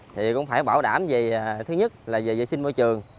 thì cũng phải bảo đảm về thứ nhất là về vệ sinh môi trường